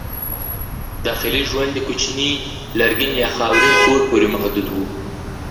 داخلي ژوند یې کوچني لرګین یا خاورین کور پورې محدود و.